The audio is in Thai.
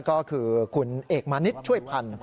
ก็คือคุณเอกมานิดช่วยพันธ์